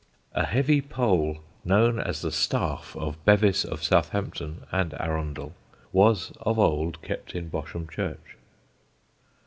A heavy pole, known as the staff of Bevis of Southampton (and Arundel), was of old kept in Bosham church.